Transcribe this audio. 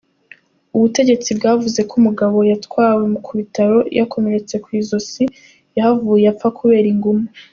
Ubutegetsi bwavuze ko umugabo yatwawe ku bitaro yakomeretse kw'izosi, yahavuye apfa kubera inguma.